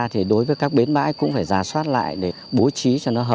trên địa bàn